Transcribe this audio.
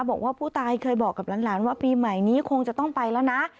บอกว่าผู้ตายเคยบอกกับหลานว่าปีใหม่นี้คงจะต้องไปแล้วนะ